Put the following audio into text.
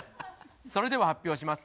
それでは発表します。